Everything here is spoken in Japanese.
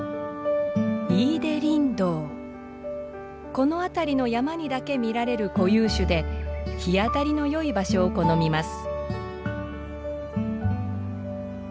この辺りの山にだけ見られる固有種で日当たりのよい場所を好みます。